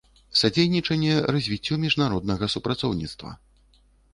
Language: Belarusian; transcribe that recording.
Садзейнiчанне развiццю мiжнароднага супрацоўнiцтва.